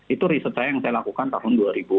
itu riset saya yang saya lakukan tahun